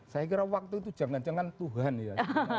saya kira waktu itu jangan jangan tuhan ya